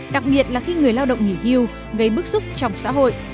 đặc biệt là khi người lao động nghỉ hưu gây bức xúc trong xã hội